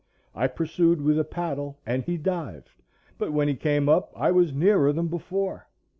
I pursued with a paddle and he dived, but when he came up I was nearer than before.